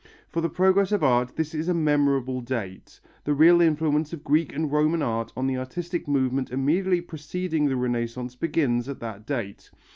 For the progress of art this is a memorable date. The real influence of Greek and Roman art on the artistic movement immediately preceding the Renaissance begins at that date.